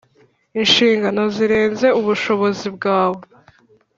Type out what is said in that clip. Inshingano zirenze ubushobozi bwawe